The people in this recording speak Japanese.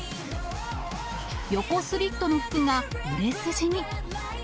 横スリットの服が売れ筋に。